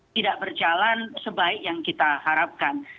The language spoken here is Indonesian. tidak berjalan sebaik yang kita harapkan